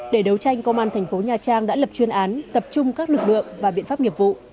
để đấu tranh công an thành phố nhà trang đã lập chuyên án tập trung các lực lượng và biện pháp nghiệp vụ